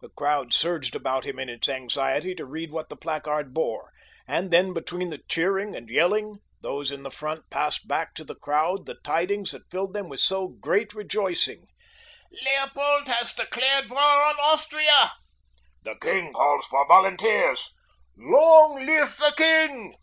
The crowd surged about him in its anxiety to read what the placard bore, and then, between the cheering and yelling, those in the front passed back to the crowd the tidings that filled them with so great rejoicing. "Leopold has declared war on Austria!" "The king calls for volunteers!" "Long live the king!"